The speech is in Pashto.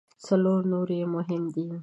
څلور نور یې مهم دي.